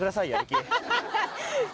ハハハハ。